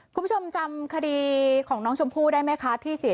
คุณผู้ชมจำคดีของน้องชมพู่ได้ไหมคะที่เสีย